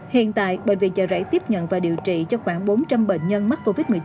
hiện tại bệnh viện trợ rẫy tiếp nhận và điều trị cho khoảng bốn trăm linh bệnh nhân mắc covid một mươi chín một ngày